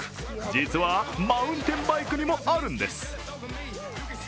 実は、マウンテンバイクにもあるんです。